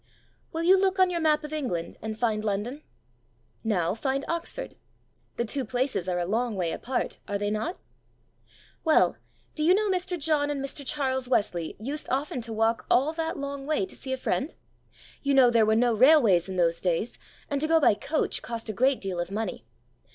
WILL you look on your map of England and find London? Now find Oxford. The two places are a long way apart, are they not? Well, do you know Mr. John and Mr. Charles Wesley used often to walk all that long way to see a friend. You know there were no railways in those days, and to go by coach cost a great deal of money.